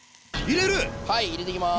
入れる！